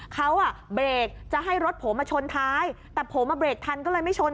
เขาเบรกจะให้รถผมมาชนท้ายแต่ผมเบรคทันเลยไม่ชน